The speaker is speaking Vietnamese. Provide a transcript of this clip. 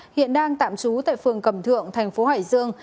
hiện đang tạm trú tại phường cẩm thượng thành phố hải dương